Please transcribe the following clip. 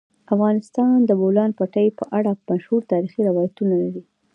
افغانستان د د بولان پټي په اړه مشهور تاریخی روایتونه لري.